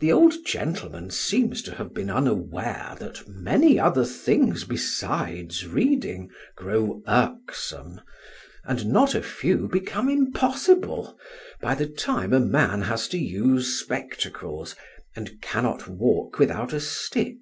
The old gentleman seems to have been unaware that many other things besides reading grow irksome, and not a few become impossible, by the time a man has to use spectacles and cannot walk without a stick.